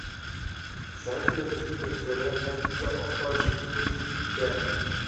Seit dieser Besiedlungswelle heißt dieser ostdeutsche Höhenzug Fläming.